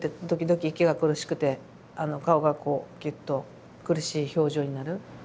時々息が苦しくて顔がこうぎゅっと苦しい表情になる。